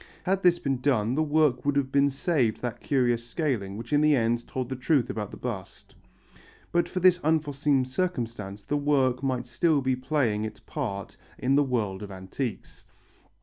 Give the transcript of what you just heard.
Had this been done the work would have been saved that curious scaling which in the end told the truth about the bust. But for this unforeseen circumstance the work might still be playing its part in the world of antiques.